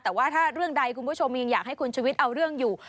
แต่ว่าถ้าเรื่องใดคุณผู้ชมยังอยากให้คุณชุวิตเอาเรื่องอยู่